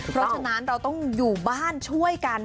เพราะฉะนั้นเราต้องอยู่บ้านช่วยกัน